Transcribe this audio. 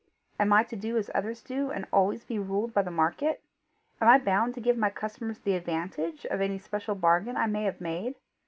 Am I to do as others do, and always be ruled by the market? Am I bound to give my customers the advantage of any special bargain I may have made?